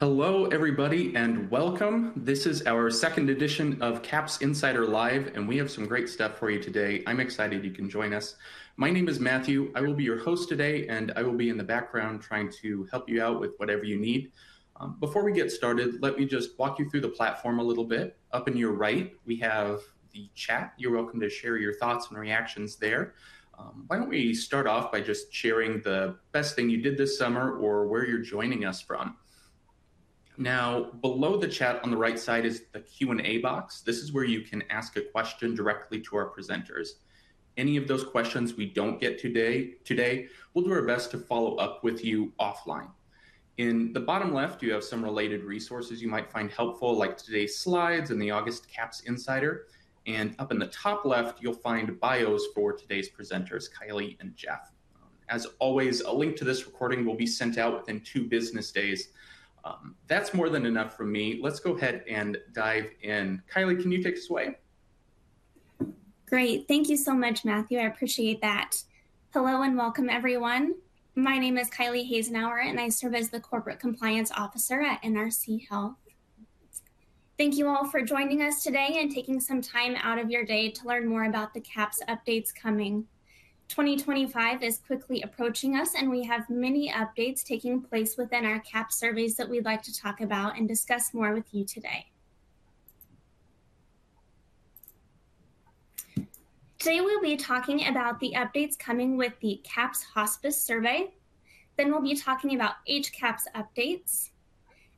Hello, everybody, and welcome. This is our second edition of CAHPS Insider Live, and we have some great stuff for you today. I'm excited you can join us. My name is Matthew. I will be your host today, and I will be in the background trying to help you out with whatever you need. Before we get started, let me just walk you through the platform a little bit. Up in your right, we have the chat. You're welcome to share your thoughts and reactions there. Why don't we start off by just sharing the best thing you did this summer or where you're joining us from? Now, below the chat on the right side is the Q&A box. This is where you can ask a question directly to our presenters. Any of those questions we don't get today, we'll do our best to follow up with you offline. In the bottom left, you have some related resources you might find helpful, like today's slides and the August CAHPS Insider, and up in the top left, you'll find bios for today's presenters, Kylie and Jeff. As always, a link to this recording will be sent out within two business days. That's more than enough from me. Let's go ahead and dive in. Kylie, can you take us away? Great. Thank you so much, Matthew. I appreciate that. Hello, and welcome, everyone. My name is Kylie Hasenauer, and I serve as the corporate compliance officer at NRC Health. Thank you all for joining us today and taking some time out of your day to learn more about the CAHPS updates coming. 2025 is quickly approaching us, and we have many updates taking place within our CAHPS surveys that we'd like to talk about and discuss more with you today. Today, we'll be talking about the updates coming with the CAHPS Hospice Survey, then we'll be talking about HCAHPS updates.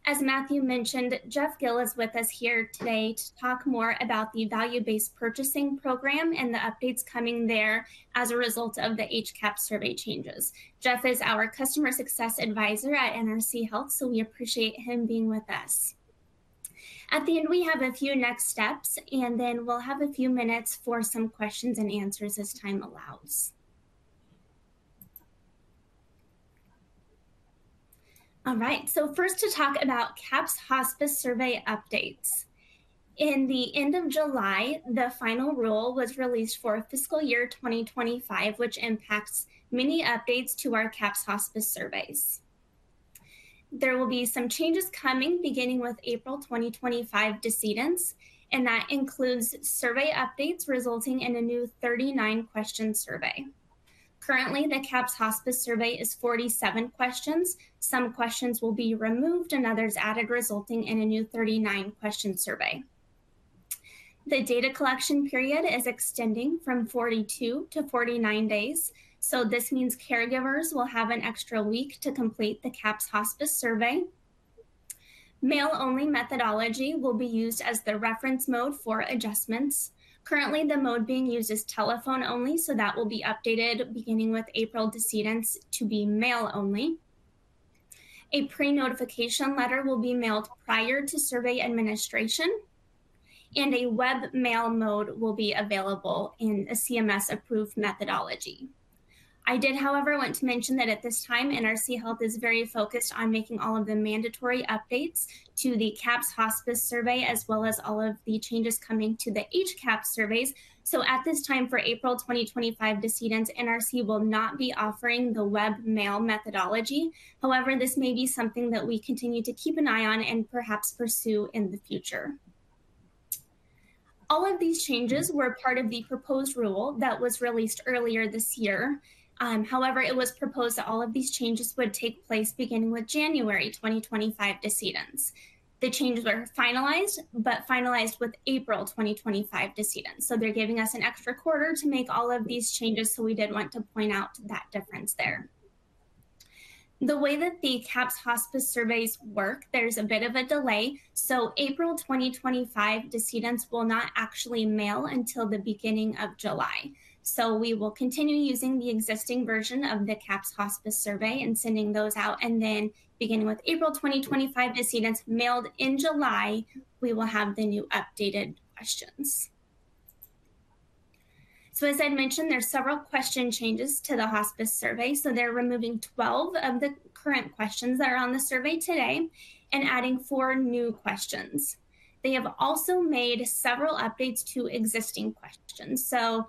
As Matthew mentioned, Jeff Gill is with us here today to talk more about the Value-Based Purchasing Program and the updates coming there as a result of the HCAHPS survey changes. Jeff is our customer success advisor at NRC Health, so we appreciate him being with us. At the end, we have a few next steps, and then we'll have a few minutes for some questions and answers as time allows. All right, so first, to talk about CAHPS Hospice Survey updates. At the end of July, the final rule was released for fiscal year 2025, which impacts many updates to our CAHPS Hospice Surveys. There will be some changes coming beginning with April 2025 decedents, and that includes survey updates resulting in a new 39-question survey. Currently, the CAHPS Hospice Survey is 47 questions. Some questions will be removed and others added, resulting in a new 39-question survey. The data collection period is extending from 42 to 49 days, so this means caregivers will have an extra week to complete the CAHPS Hospice Survey. Mail-only methodology will be used as the reference mode for adjustments. Currently, the mode being used is telephone only, so that will be updated beginning with April decedents to be mail only. A pre-notification letter will be mailed prior to survey administration, and a web/mail mode will be available in a CMS-approved methodology. I did, however, want to mention that at this time, NRC Health is very focused on making all of the mandatory updates to the CAHPS Hospice Survey, as well as all of the changes coming to the HCAHPS surveys. So at this time, for April 2025 decedents, NRC will not be offering the web/mail methodology. However, this may be something that we continue to keep an eye on and perhaps pursue in the future. All of these changes were part of the proposed rule that was released earlier this year. However, it was proposed that all of these changes would take place beginning with January 2025 decedents. The changes are finalized, but finalized with April 2025 decedents, so they're giving us an extra quarter to make all of these changes, so we did want to point out that difference there. The way that the CAHPS Hospice Surveys work, there's a bit of a delay, so April 2025 decedents will not actually mail until the beginning of July. So we will continue using the existing version of the CAHPS Hospice Survey and sending those out, and then beginning with April 2025, decedents mailed in July, we will have the new updated questions. So as I mentioned, there are several question changes to the hospice survey. So they're removing 12 of the current questions that are on the survey today and adding four new questions. They have also made several updates to existing questions, so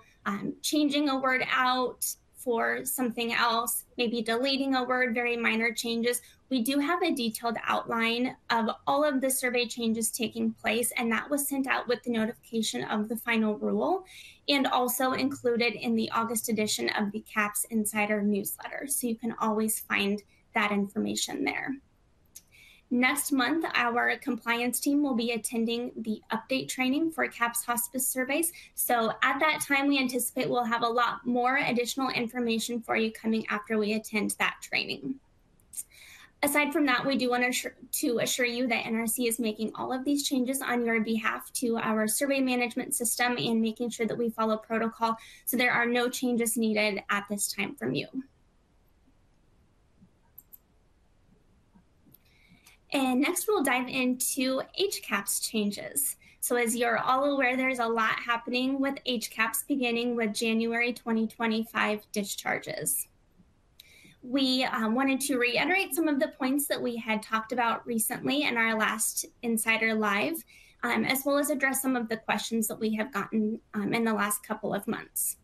changing a word out for something else, maybe deleting a word, very minor changes. We do have a detailed outline of all of the survey changes taking place, and that was sent out with the notification of the final rule and also included in the August edition of the CAHPS Insider newsletter, so you can always find that information there. Next month, our compliance team will be attending the update training for CAHPS Hospice Surveys, so at that time, we anticipate we'll have a lot more additional information for you coming after we attend that training. Aside from that, we do want to assure you that NRC is making all of these changes on your behalf to our survey management system and making sure that we follow protocol, so there are no changes needed at this time from you. And next, we'll dive into HCAHPS changes. So as you're all aware, there's a lot happening with HCAHPS, beginning with January 2025 discharges. We wanted to reiterate some of the points that we had talked about recently in our last Insider Live, as well as address some of the questions that we have gotten in the last couple of months.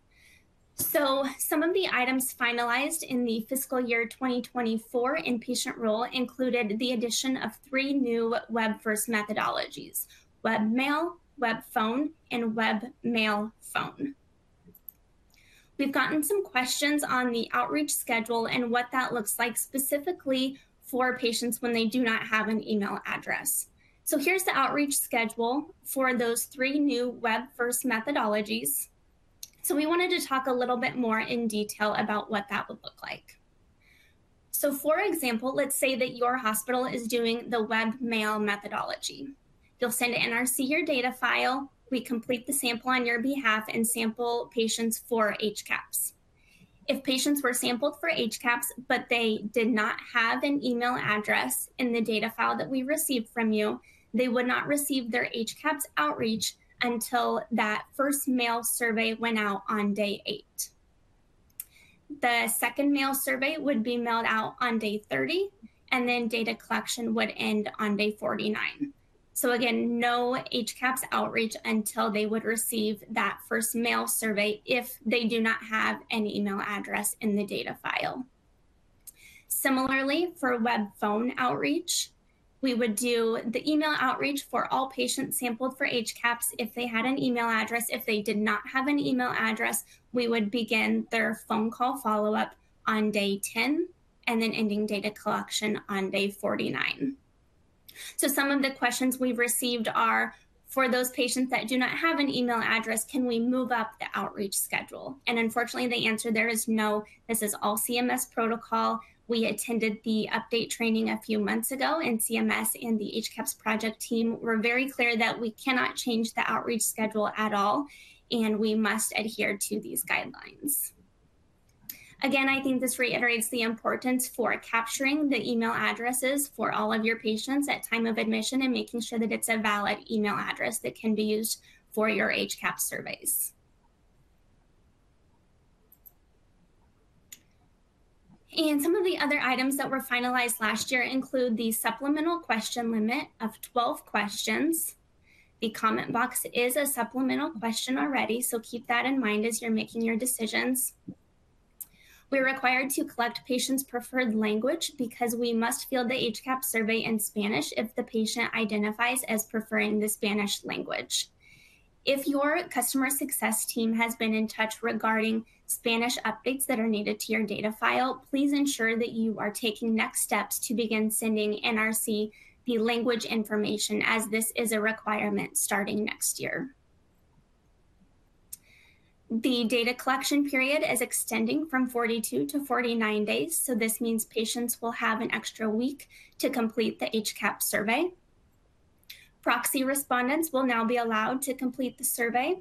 So some of the items finalized in the fiscal year 2024 inpatient rule included the addition of three new web-first methodologies: web/mail, web/phone, and web/mail/phone. We've gotten some questions on the outreach schedule and what that looks like specifically for patients when they do not have an email address. Here's the outreach schedule for those three new web-first methodologies. We wanted to talk a little bit more in detail about what that would look like. For example, let's say that your hospital is doing the web/mail methodology. You'll send NRC your data file. We complete the sample on your behalf and sample patients for HCAHPS. If patients were sampled for HCAHPS, but they did not have an email address in the data file that we received from you, they would not receive their HCAHPS outreach until that first mail survey went out on day eight. The second mail survey would be mailed out on day 30, and then data collection would end on day 49. Again, no HCAHPS outreach until they would receive that first mail survey if they do not have an email address in the data file. Similarly, for web/phone outreach, we would do the email outreach for all patients sampled for HCAHPS if they had an email address. If they did not have an email address, we would begin their phone call follow-up on day 10, and then ending data collection on day 49. Some of the questions we've received are: For those patients that do not have an email address, can we move up the outreach schedule? Unfortunately, the answer there is no. This is all CMS protocol. We attended the update training a few months ago, and CMS and the HCAHPS Project Team were very clear that we cannot change the outreach schedule at all, and we must adhere to these guidelines. Again, I think this reiterates the importance for capturing the email addresses for all of your patients at time of admission and making sure that it's a valid email address that can be used for your HCAHPS surveys, and some of the other items that were finalized last year include the supplemental question limit of 12 questions. The comment box is a supplemental question already, so keep that in mind as you're making your decisions. We're required to collect patients' preferred language because we must fill the HCAHPS survey in Spanish if the patient identifies as preferring the Spanish language. If your customer success team has been in touch regarding Spanish updates that are needed to your data file, please ensure that you are taking next steps to begin sending NRC the language information, as this is a requirement starting next year. The data collection period is extending from 42 to 49 days, so this means patients will have an extra week to complete the HCAHPS survey. Proxy respondents will now be allowed to complete the survey,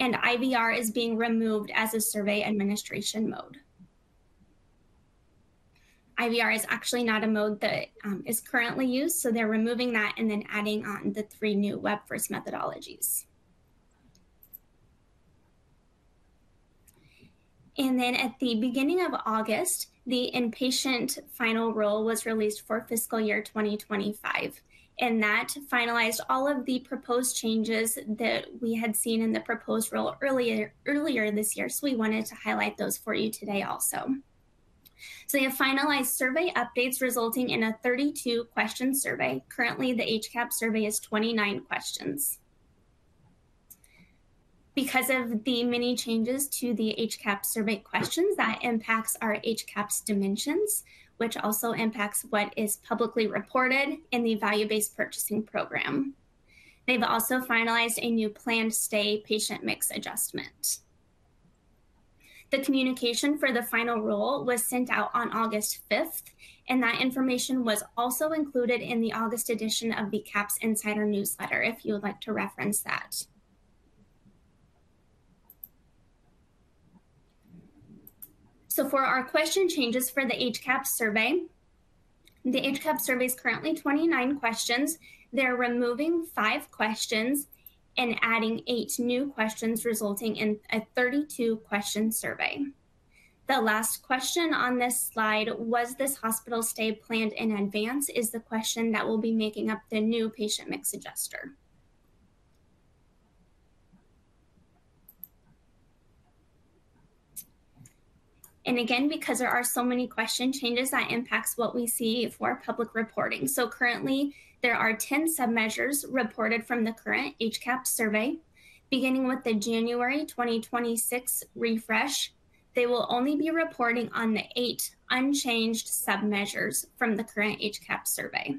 and IVR is being removed as a survey administration mode. IVR is actually not a mode that is currently used, so they're removing that and then adding on the three new web-first methodologies. Then at the beginning of August, the inpatient final rule was released for fiscal year 2025, and that finalized all of the proposed changes that we had seen in the proposed rule earlier this year. We wanted to highlight those for you today also. We have finalized survey updates, resulting in a 32-question survey. Currently, the HCAHPS survey is 29 questions. Because of the many changes to the HCAHPS survey questions, that impacts our HCAHPS dimensions, which also impacts what is publicly reported in the Value-Based Purchasing Program. They've also finalized a new planned stay patient mix adjustment. The communication for the final rule was sent out on August 5th, and that information was also included in the August edition of the CAHPS Insider newsletter if you would like to reference that. So for our question changes for the HCAHPS survey, the HCAHPS survey is currently 29 questions. They're removing five questions and adding eight new questions, resulting in a 32-question survey. The last question on this slide, "Was this hospital stay planned in advance?" is the question that will be making up the new patient mix adjuster. And again, because there are so many question changes, that impacts what we see for public reporting. So currently, there are 10 sub-measures reported from the current HCAHPS survey. Beginning with the January 2026 refresh, they will only be reporting on the eight unchanged sub-measures from the current HCAHPS survey,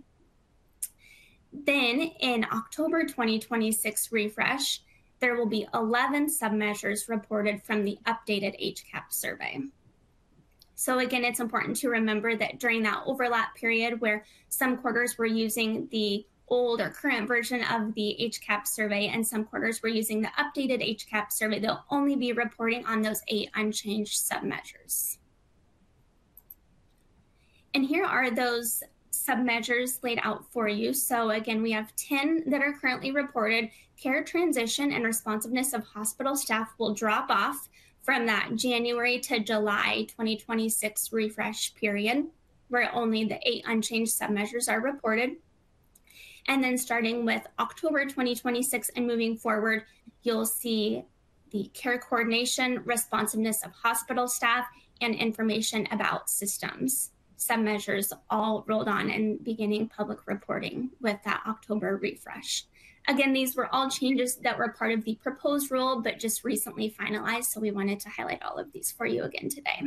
then in October 2026 refresh, there will be 11 sub-measures reported from the updated HCAHPS survey. So again, it's important to remember that during that overlap period, where some quarters were using the old or current version of the HCAHPS survey and some quarters were using the updated HCAHPS survey, they'll only be reporting on those eight unchanged sub-measures. And here are those sub-measures laid out for you, so again, we have 10 that are currently reported. Care Transitions and Responsiveness of Hospital Staff will drop off from that January to July 2026 refresh period, where only the eight unchanged sub-measures are reported. And then starting with October 2026 and moving forward, you'll see the Care Coordination, Responsiveness of Hospital Staff, and Information About Symptoms. Sub-measures all rolled on and beginning public reporting with that October refresh. Again, these were all changes that were part of the proposed rule, but just recently finalized, so we wanted to highlight all of these for you again today.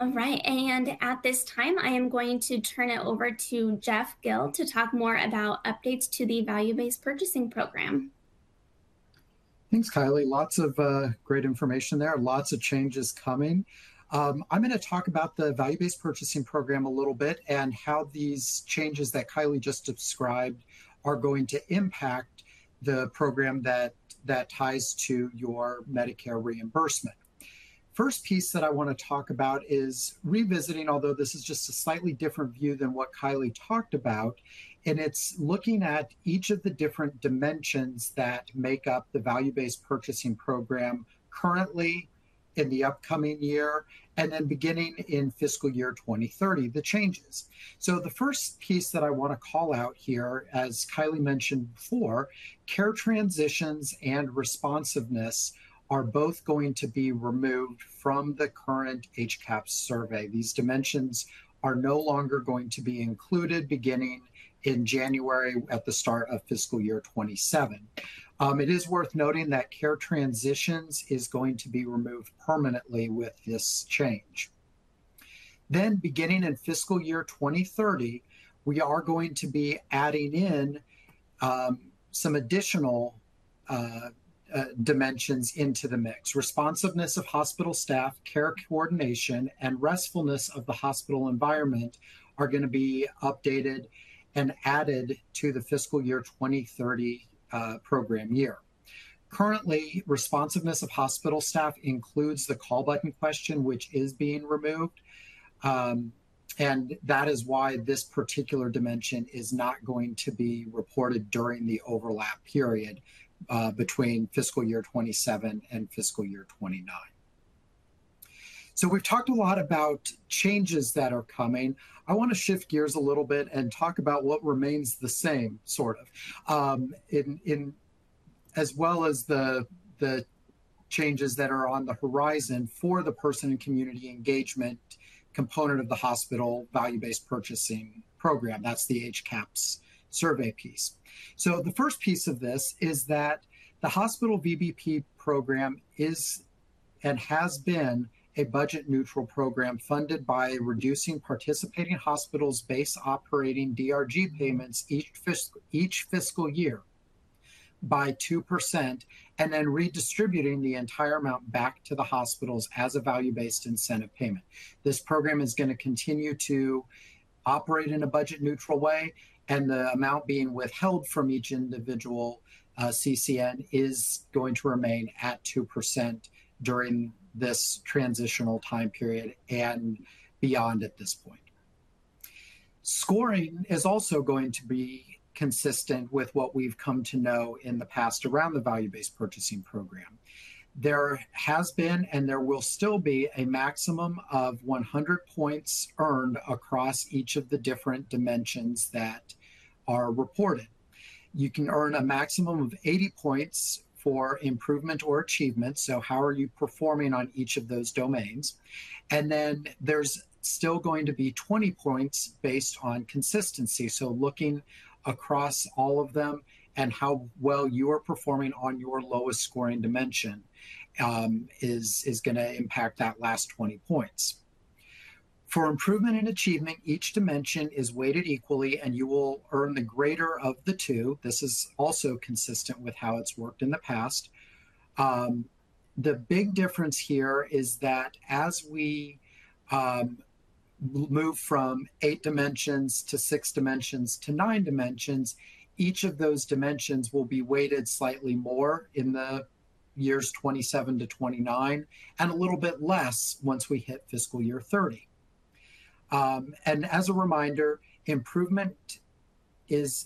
All right, and at this time, I am going to turn it over to Jeff Gill to talk more about updates to the Value-Based Purchasing Program. Thanks, Kylie. Lots of great information there. Lots of changes coming. I'm going to talk about the Value-Based Purchasing Program a little bit, and how these changes that Kylie just described are going to impact the program that ties to your Medicare reimbursement. First piece that I want to talk about is revisiting, although this is just a slightly different view than what Kylie talked about, and it's looking at each of the different dimensions that make up the Value-Based Purchasing Program currently in the upcoming year, and then beginning in fiscal year 2030, the changes. So the first piece that I want to call out here, as Kylie mentioned before, Care Transitions and Responsiveness are both going to be removed from the current HCAHPS survey. These dimensions are no longer going to be included beginning in January at the start of fiscal year 2027. It is worth noting that Care Transitions is going to be removed permanently with this change. Then, beginning in fiscal year 2030, we are going to be adding in some additional dimensions into the mix. Responsiveness of Hospital Staff, Care Coordination, and Restfulness of the Hospital Environment are going to be updated and added to the fiscal year 2030 program year. Currently, Responsiveness of Hospital Staff includes the call button question, which is being removed, and that is why this particular dimension is not going to be reported during the overlap period between fiscal year 2027 and fiscal year 2029. So we've talked a lot about changes that are coming. I want to shift gears a little bit and talk about what remains the same, sort of. as well as the changes that are on the horizon for the Person and Community Engagement component of the Hospital Value-Based Purchasing Program. That's the HCAHPS survey piece. The first piece of this is that the Hospital VBP Program is, and has been, a budget-neutral program funded by reducing participating hospitals' base operating DRG payments each fiscal year by 2%, and then redistributing the entire amount back to the hospitals as a value-based incentive payment. This program is going to continue to operate in a budget-neutral way, and the amount being withheld from each individual CCN is going to remain at 2% during this transitional time period and beyond at this point. Scoring is also going to be consistent with what we've come to know in the past around the Value-Based Purchasing Program. There has been, and there will still be, a maximum of 100 points earned across each of the different dimensions that are reported. You can earn a maximum of 80 points for improvement or achievement, so how are you performing on each of those domains? And then there's still going to be 20 points based on consistency, so looking across all of them and how well you're performing on your lowest scoring dimension, is going to impact that last 20 points. For improvement and achievement, each dimension is weighted equally, and you will earn the greater of the two. This is also consistent with how it's worked in the past. The big difference here is that as we move from eight dimensions to six dimensions to nine dimensions, each of those dimensions will be weighted slightly more in the years 2027 to 2029, and a little bit less once we hit fiscal year 2030. As a reminder, improvement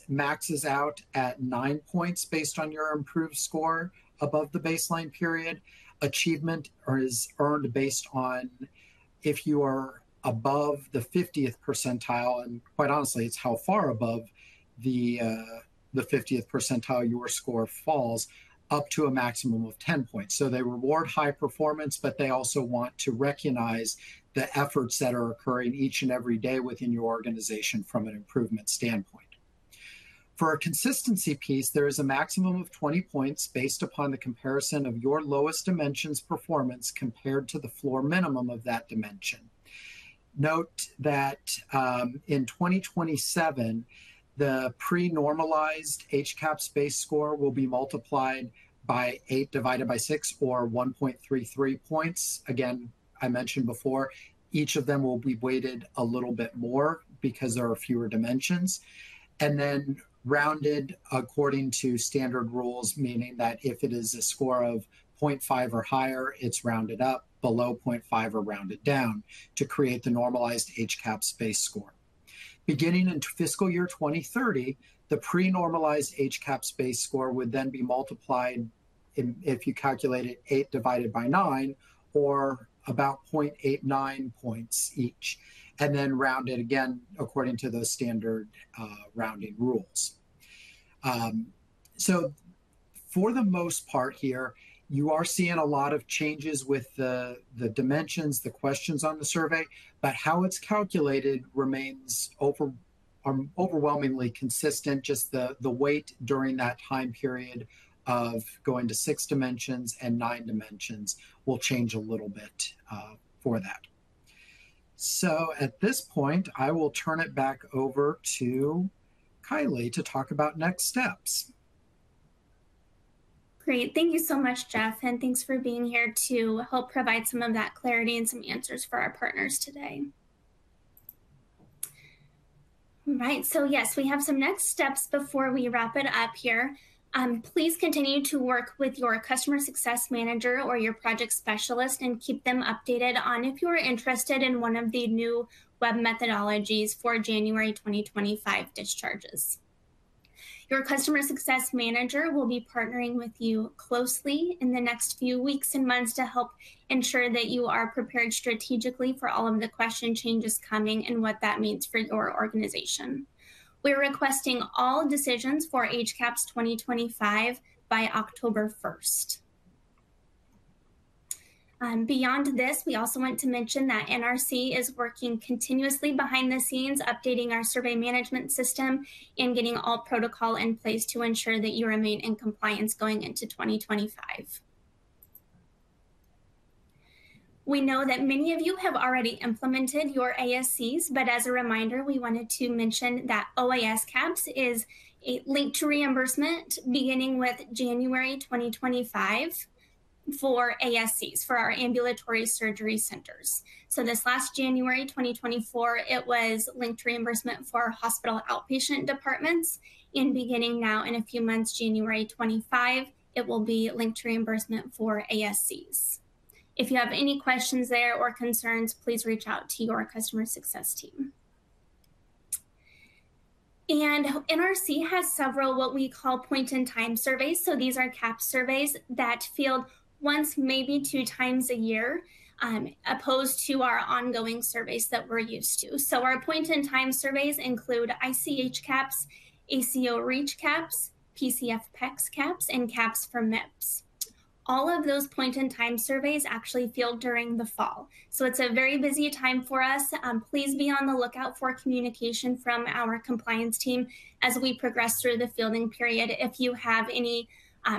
maxes out at nine points based on your improved score above the baseline period. Achievement is earned based on if you are above the 50th percentile, and quite honestly, it's how far above the 50th percentile your score falls, up to a maximum of 10 points. So they reward high performance, but they also want to recognize the efforts that are occurring each and every day within your organization from an improvement standpoint. For our consistency piece, there is a maximum of 20 points based upon the comparison of your lowest dimensions performance compared to the floor minimum of that dimension. Note that, in 2027, the pre-normalized HCAHPS base score will be multiplied by eight divided by six, or 1.33 points. Again, I mentioned before, each of them will be weighted a little bit more because there are fewer dimensions, and then rounded according to standard rules, meaning that if it is a score of 0.5 or higher, it's rounded up, below 0.5 are rounded down, to create the normalized HCAHPS base score.... beginning in fiscal year 2030, the pre-normalized HCAHPS base score would then be multiplied in, if you calculate it, eight divided by nine, or about 0.89 points each, and then rounded again according to those standard, rounding rules. So for the most part here, you are seeing a lot of changes with the dimensions, the questions on the survey, but how it's calculated remains overwhelmingly consistent. Just the weight during that time period of going to six dimensions and nine dimensions will change a little bit for that. So at this point, I will turn it back over to Kylie to talk about next steps. Great. Thank you so much, Jeff, and thanks for being here to help provide some of that clarity and some answers for our partners today. All right, so yes, we have some next steps before we wrap it up here. Please continue to work with your customer success manager or your project specialist and keep them updated on if you are interested in one of the new web methodologies for January 2025 discharges. Your customer success manager will be partnering with you closely in the next few weeks and months to help ensure that you are prepared strategically for all of the question changes coming and what that means for your organization. We're requesting all decisions for HCAHPS 2025 by October 1st. Beyond this, we also want to mention that NRC is working continuously behind the scenes, updating our survey management system and getting all protocol in place to ensure that you remain in compliance going into 2025. We know that many of you have already implemented your ASCs, but as a reminder, we wanted to mention that OAS CAHPS is a link to reimbursement beginning with January 2025 for ASCs, for our ambulatory surgery centers, so this last January 2024, it was linked reimbursement for hospital outpatient departments. Beginning now, in a few months, January 2025, it will be linked to reimbursement for ASCs. If you have any questions there or concerns, please reach out to your customer success team, and NRC has several, what we call point-in-time surveys. So these are CAHPS surveys that field once, maybe two times a year, opposed to our ongoing surveys that we're used to. So our point-in-time surveys include ICH CAHPS, ACO REACH CAHPS, PCF PECS CAHPS, and CAHPS for MIPS. All of those point-in-time surveys actually field during the fall, so it's a very busy time for us. Please be on the lookout for communication from our compliance team as we progress through the fielding period if you have any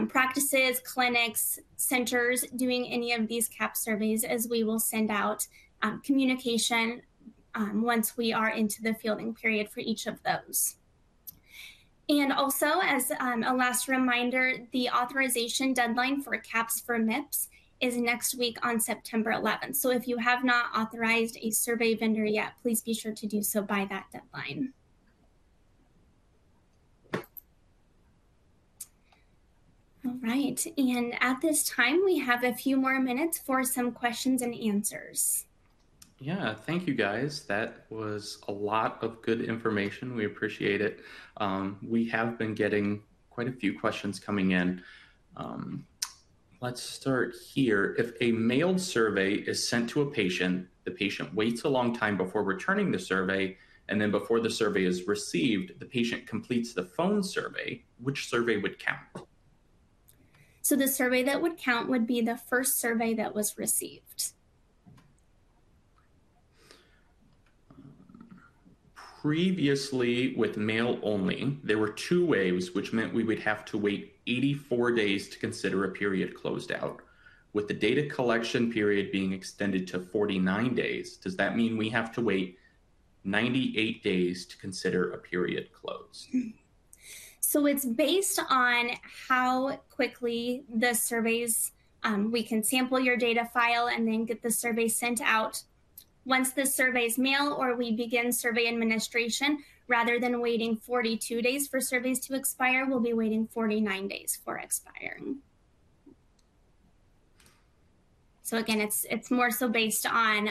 practices, clinics, centers, doing any of these CAHPS surveys, as we will send out communication once we are into the fielding period for each of those. And also, as a last reminder, the authorization deadline for CAHPS for MIPS is next week on September 11th. So if you have not authorized a survey vendor yet, please be sure to do so by that deadline. All right, and at this time, we have a few more minutes for some questions and answers. Yeah. Thank you, guys. That was a lot of good information. We appreciate it. We have been getting quite a few questions coming in. Let's start here: If a mailed survey is sent to a patient, the patient waits a long time before returning the survey, and then before the survey is received, the patient completes the phone survey, which survey would count? So the survey that would count would be the first survey that was received. Previously, with mail only, there were two waves, which meant we would have to wait 84 days to consider a period closed out. With the data collection period being extended to 49 days, does that mean we have to wait 98 days to consider a period closed? So it's based on how quickly the surveys. We can sample your data file and then get the survey sent out. Once the survey is mailed or we begin survey administration, rather than waiting 42 days for surveys to expire, we'll be waiting 49 days for expiring. So again, it's more so based on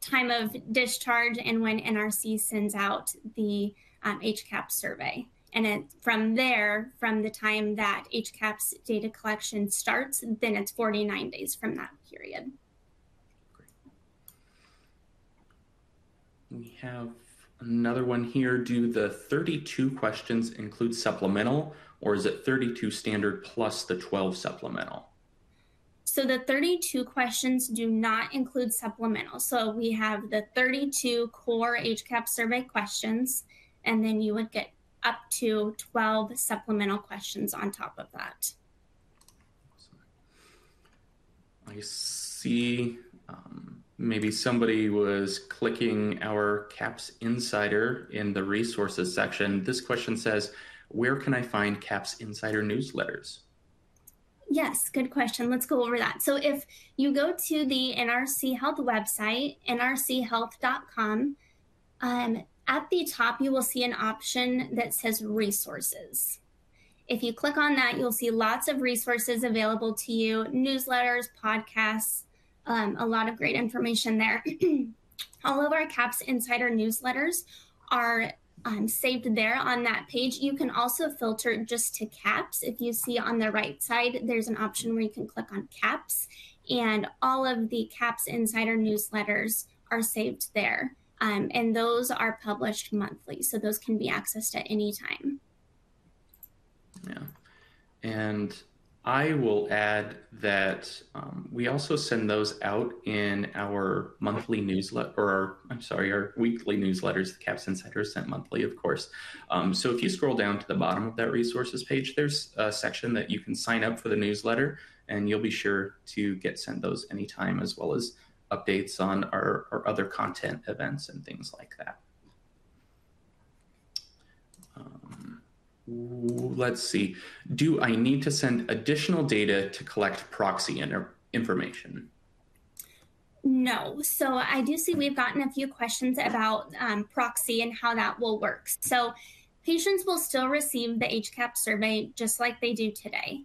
time of discharge and when NRC sends out the HCAHPS survey. And then from there, from the time that HCAHPS data collection starts, then it's 49 days from that period. Great. We have another one here: Do the 32 questions include supplemental, or is it 32 standard plus the 12 supplemental? The 32 questions do not include supplemental. We have the 32 core HCAHPS survey questions, and then you would get up to 12 supplemental questions on top of that. I see, maybe somebody was clicking our CAHPS Insider in the Resources section. This question says, "Where can I find CAHPS Insider newsletters? Yes, good question. Let's go over that, so if you go to the NRC Health website, nrchealth.com, at the top, you will see an option that says Resources. If you click on that, you'll see lots of resources available to you: newsletters, podcasts, a lot of great information there. All of our CAHPS Insider newsletters are saved there on that page. You can also filter just to CAHPS. If you see on the right side, there's an option where you can click on CAHPS, and all of the CAHPS Insider newsletters are saved there, and those are published monthly, so those can be accessed at any time. Yeah, and I will add that, we also send those out in our monthly newsletter, or I'm sorry, our weekly newsletters. The CAHPS Insider is sent monthly, of course. So if you scroll down to the bottom of that resources page, there's a section that you can sign up for the newsletter, and you'll be sure to get sent those anytime, as well as updates on our other content, events, and things like that. Let's see. Do I need to send additional data to collect proxy information? No. So I do see we've gotten a few questions about proxy and how that will work. So patients will still receive the HCAHPS survey just like they do today.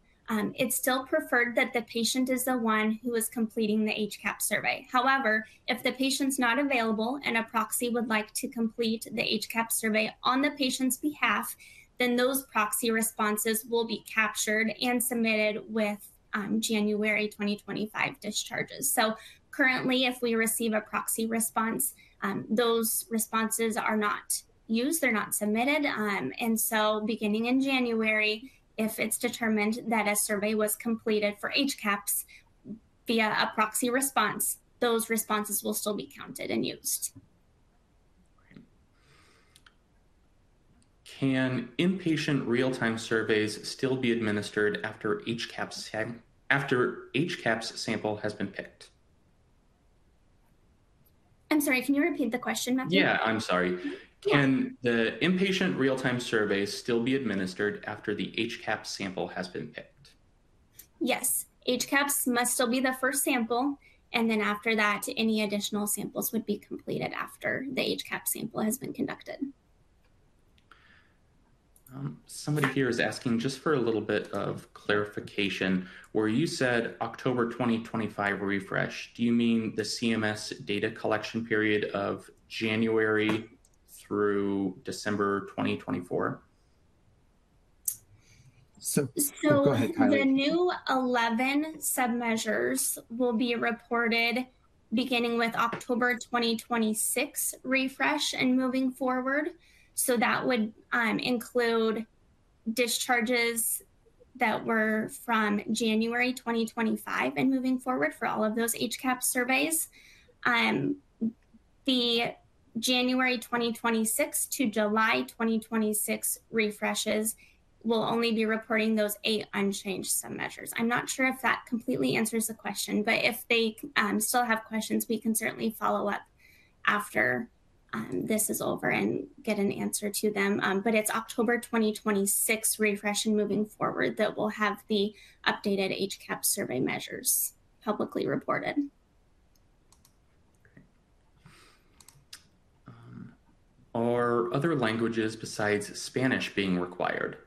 It's still preferred that the patient is the one who is completing the HCAHPS survey. However, if the patient's not available and a proxy would like to complete the HCAHPS survey on the patient's behalf, then those proxy responses will be captured and submitted with January 2025 discharges. So currently, if we receive a proxy response, those responses are not used, they're not submitted. And so beginning in January, if it's determined that a survey was completed for HCAHPS via a proxy response, those responses will still be counted and used. Great. Can inpatient real-time surveys still be administered after HCAHPS sample has been picked? I'm sorry, can you repeat the question, Matthew? Yeah, I'm sorry. Yeah. Can the inpatient real-time survey still be administered after the HCAHPS sample has been picked? Yes. HCAHPS must still be the first sample, and then after that, any additional samples would be completed after the HCAHPS sample has been conducted. Somebody here is asking just for a little bit of clarification, "Where you said October 2025 refresh, do you mean the CMS data collection period of January through December 2024?" So- So- Go ahead, Kylie... the new 11 sub-measures will be reported beginning with October 2026 refresh and moving forward. So that would include discharges that were from January 2025 and moving forward for all of those HCAHPS surveys. The January 2026 to July 2026 refreshes will only be reporting those eight unchanged sub-measures. I'm not sure if that completely answers the question, but if they still have questions, we can certainly follow up after this is over and get an answer to them. But it's October 2026 refresh and moving forward that we'll have the updated HCAHPS survey measures publicly reported. Great. Are other languages besides Spanish being required?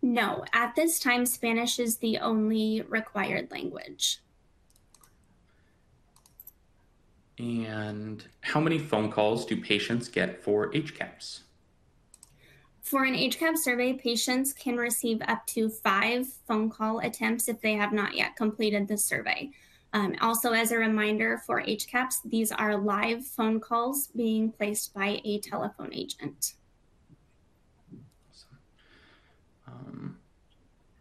No. At this time, Spanish is the only required language. How many phone calls do patients get for HCAHPS? For an HCAHPS survey, patients can receive up to five phone call attempts if they have not yet completed the survey. Also, as a reminder for HCAHPS, these are live phone calls being placed by a telephone agent. So,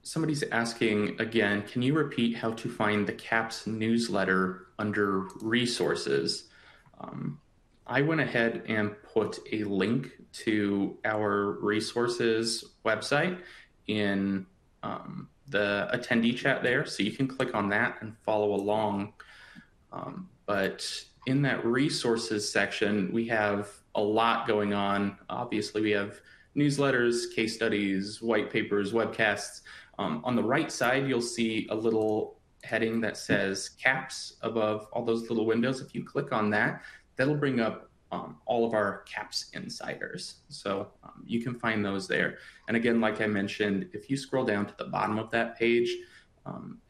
somebody's asking again: "Can you repeat how to find the CAHPS newsletter under Resources?" I went ahead and put a link to our resources website in the attendee chat there. So you can click on that and follow along. But in that resources section, we have a lot going on. Obviously, we have newsletters, case studies, white papers, webcasts. On the right side, you'll see a little heading that says, "CAHPS," above all those little windows. If you click on that, that'll bring up all of our CAHPS Insiders. So, you can find those there. And again, like I mentioned, if you scroll down to the bottom of that page,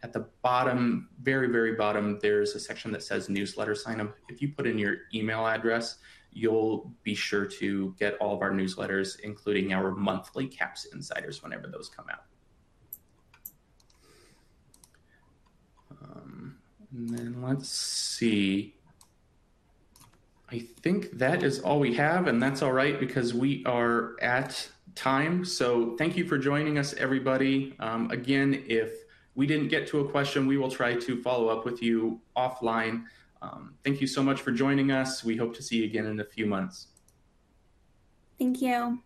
at the bottom, very, very bottom, there's a section that says, "Newsletter Sign-Up." If you put in your email address, you'll be sure to get all of our newsletters, including our monthly CAHPS Insiders, whenever those come out. And then let's see. I think that is all we have, and that's all right because we are at time. So thank you for joining us, everybody. Again, if we didn't get to a question, we will try to follow up with you offline. Thank you so much for joining us. We hope to see you again in a few months. Thank you.